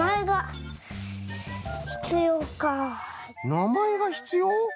なまえがひつよう？